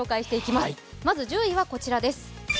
まず１０位はこちらです。